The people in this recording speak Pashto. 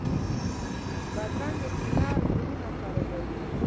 بدرنګه کینه زړونه خرابوي